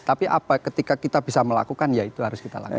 tapi apa ketika kita bisa melakukan ya itu harus kita lakukan